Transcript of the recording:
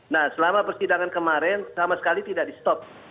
nah selama persidangan kemarin sama sekali tidak di stop